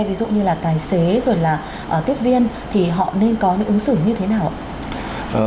ví dụ như là tài xế rồi là tiếp viên thì họ nên có những ứng xử như thế nào ạ